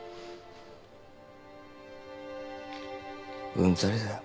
うんざりだよ。